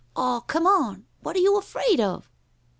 Aw, come on! What are you afraid of?"